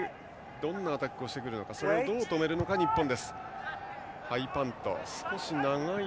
どんなアタックをしてくるのかどう止めるのか、日本。